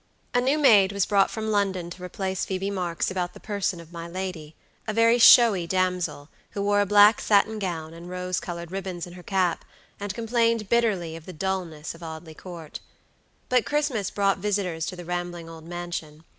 A new maid was brought from London to replace Phoebe Marks about the person of my ladya very showy damsel, who wore a black satin gown, and rose colored ribbons in her cap, and complained bitterly of the dullness of Audley Court. But Christmas brought visitors to the rambling old mansion.